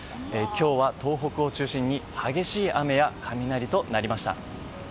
今日は東北を中心に激しい雨や雷となりました。